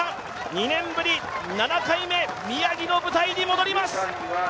２年ぶり７回目、宮城の舞台に戻ります。